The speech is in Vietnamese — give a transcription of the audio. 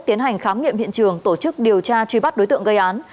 tiến hành khám nghiệm hiện trường tổ chức điều tra truy bắt đối tượng gây án